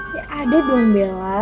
ya ada dong bella